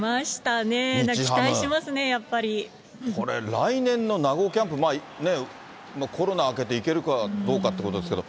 期待しますね、これ、来年の名護キャンプ、コロナ明けていけるかどうかっていうことですけど。